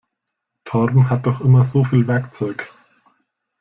Torben hat doch immer so viel Werkzeug.